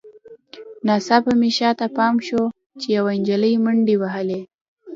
ناڅاپه مې شاته پام شو چې یوه نجلۍ منډې وهي